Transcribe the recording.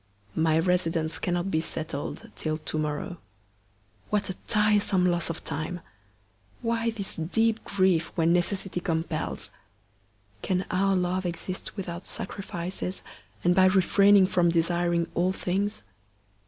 My residence cannot be settled till to morrow. What a tiresome loss of time! Why this deep grief when necessity compels? can our love exist without sacrifices, and by refraining from desiring all things?